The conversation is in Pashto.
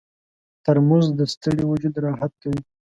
ترموز د ستړي وجود راحت کوي.